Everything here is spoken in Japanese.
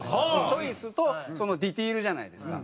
チョイスとそのディテールじゃないですか。